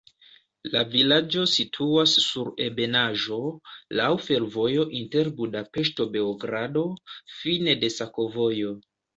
La vilaĝo situas sur ebenaĵo, laŭ fervojo inter Budapeŝto-Beogrado, fine de sakovojo.